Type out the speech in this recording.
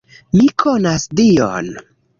Mi konas Dion!